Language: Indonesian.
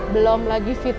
belum lagi fitnah